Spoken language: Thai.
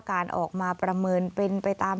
การออกมาประเมินเป็นไปตาม